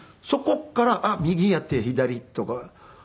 そこから右やって左とか。